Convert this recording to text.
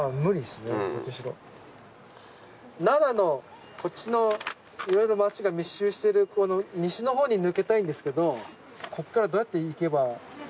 奈良のこっちのいろいろ町が密集しているこの西のほうに抜けたいんですけどここからどうやって行けば？